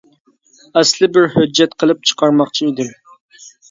ئەسلى بىر ھۆججەت قىلىپ چىقارماقچى ئىدىم.